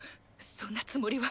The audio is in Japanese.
そんなつもりは。